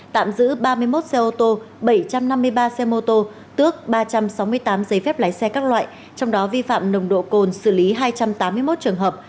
tạm giữ ba mươi một xe ô tô bảy trăm năm mươi ba xe mô tô tước ba trăm sáu mươi tám giấy phép lái xe các loại trong đó vi phạm nồng độ cồn xử lý hai trăm tám mươi một trường hợp